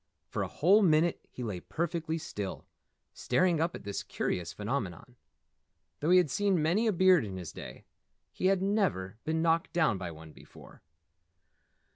For a whole minute he lay perfectly still, staring up at this curious phenomenon. Though he had seen many a beard in his day, he had never been knocked down by one before.